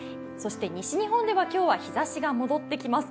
西日本では今日は日ざしが戻ってきます。